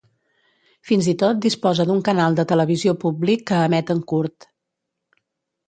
Fins i tot disposa d'un canal de televisió públic que emet en kurd.